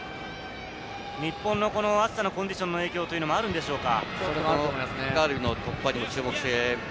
日本の暑さコンディションの影響というのもあるんでしょうか？